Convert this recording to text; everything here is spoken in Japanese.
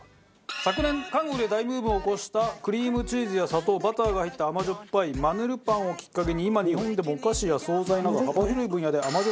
昨年韓国で大ブームを起こしたクリームチーズや砂糖バターが入った甘じょっぱいマヌルパンをきっかけに今日本でもお菓子や惣菜など幅広い分野で甘じょ